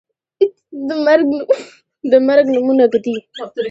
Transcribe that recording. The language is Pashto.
د مرګ نومونه ږدي